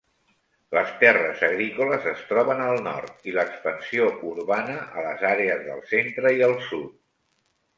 Les terres agrícoles es troben al nord i l'expansió urbana a les àrees del centre i el sud.